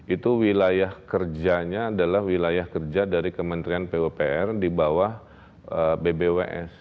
itu wilayah kerjanya adalah wilayah kerja dari kementerian pupr di bawah bbws